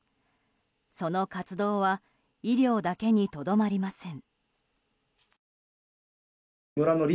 その活動は医療だけにとどまりません。